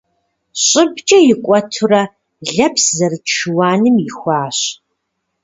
Щӏыбкӏэ икӏуэтурэ лэпс зэрыт шыуаным ихуащ.